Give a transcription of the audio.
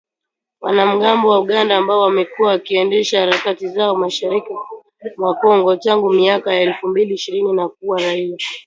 Wanamgambo wa Uganda ambao wamekuwa wakiendesha harakati zao mashariki mwa Kongo, tangu miaka ya elfu mbili ishirini na kuua raia